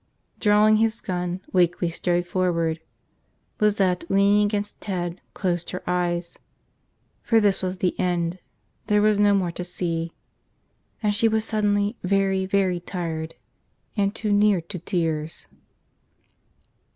Drawing his gun, Wakeley strode forward. Lizette, leaning against Ted, closed her eyes. For this was the end, there was no more to see. And she was suddenly very, very tired and too near to tears.